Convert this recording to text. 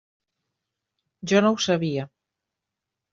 Jo no ho sabia.